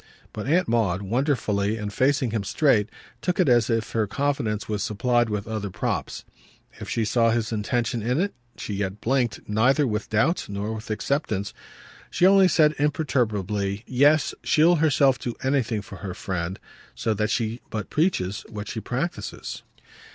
But Aunt Maud, wonderfully and facing him straight, took it as if her confidence were supplied with other props. If she saw his intention in it she yet blinked neither with doubt nor with acceptance; she only said imperturbably: "Yes, she'll herself do anything for her friend; so that she but preaches what she practises."